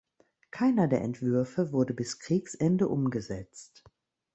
Keiner der Entwürfe wurde bis Kriegsende umgesetzt.